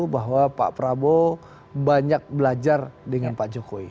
bahwa pak prabowo banyak belajar dengan pak jokowi